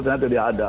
ternyata tidak ada